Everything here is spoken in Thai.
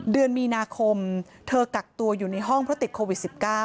เดือนมีนาคมเธอกักตัวอยู่ในห้องเพราะติดโควิด๑๙